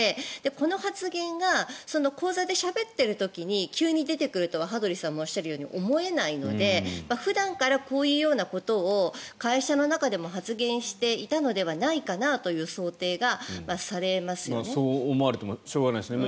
この発言が講座でしゃべってる時に急に出てくると羽鳥さんもおっしゃるように思えないので普段からこういうことを会社の中でも発言したのではないかなという想定がされますよね。